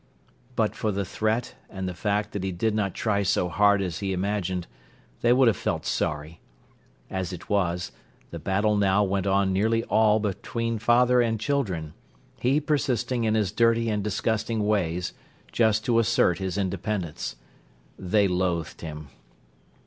But for the threat and the fact that he did not try so hard as he imagined, they would have felt sorry. As it was, the battle now went on nearly all between father and children, he persisting in his dirty and disgusting ways, just to assert his independence. They loathed him.